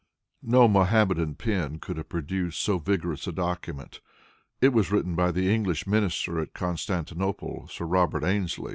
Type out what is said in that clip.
No Mohammedan pen could have produced so vigorous a document. It was written by the English minister at Constantinople, Sir Robert Ainslie.